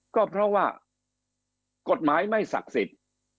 ก็เพราะว่ากฎหมายไม่ศักดิ์สิทธิ์